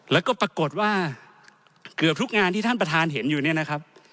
แล้วก็ปรากฏว่าเกือบทุกงานที่ท่านประธานเห็นอยู่เนี่ยนะครับ